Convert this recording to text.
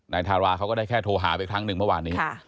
ทาราเขาก็ได้แค่โทรหาไปครั้งหนึ่งเมื่อวานนี้